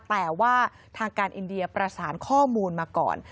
แต่ว่าทางการอินเดียประสานข้อมูลมาก่อน